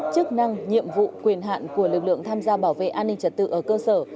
chức năng nhiệm vụ quyền hạn của lực lượng tham gia bảo vệ an ninh trật tự ở cơ sở